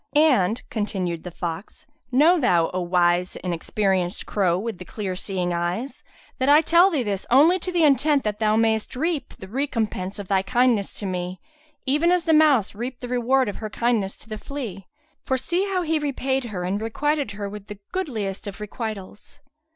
And (continued the fox) know thou, O wise and experienced crow with the clear seeing eyes, that I tell thee this only to the intent that thou mayst reap the recompense of thy kindness to me, even as the mouse reaped the reward of her kindness to the flea; for see how he repaid her and requited her with the goodliest of requitals.